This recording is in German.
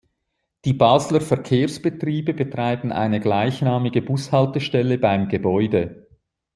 Die Basler Verkehrs-Betriebe betreiben eine gleichnamige Bushaltestelle beim Gebäude.